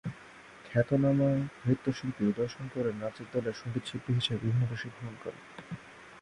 খ্যাতনামা নৃত্যশিল্পী উদয় শঙ্করের নাচের দলের সঙ্গীতশিল্পী হিসেবে বিভিন্ন দেশে ভ্রমণ করেন।